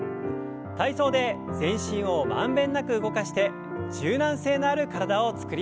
体操で全身を満遍なく動かして柔軟性のある体を作りましょう。